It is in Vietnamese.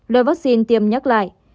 loại vaccine tiêm nhắc lại